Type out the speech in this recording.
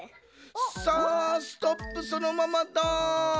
さあストップそのままだ。